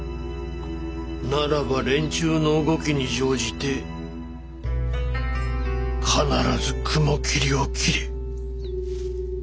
ならば連中の動きに乗じて必ず雲霧を斬れ。